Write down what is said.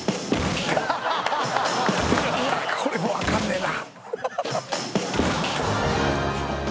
これも分かんねえな。